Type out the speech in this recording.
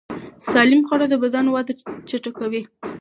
سالم خواړه د بدن وده چټکوي.